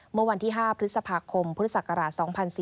เมื่อวันที่๕พฤษภาคมพุทธศักราช๒๔๙